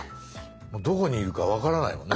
もうどこにいるか分からないもんね